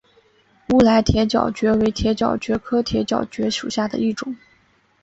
乌来铁角蕨为铁角蕨科铁角蕨属下的一个种。